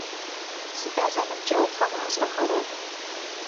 Сыда зэныбджэгъухэм ашӏэхэрэр?